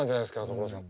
所さん。